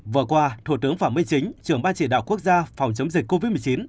vừa qua thủ tướng phạm minh chính trưởng ban chỉ đạo quốc gia phòng chống dịch covid một mươi chín